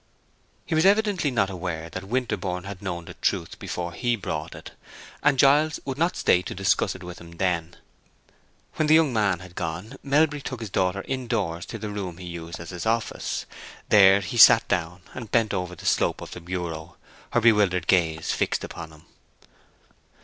He was evidently not aware that Winterborne had known the truth before he brought it; and Giles would not stay to discuss it with him then. When the young man had gone Melbury took his daughter in doors to the room he used as his office. There he sat down, and bent over the slope of the bureau, her bewildered gaze fixed upon him.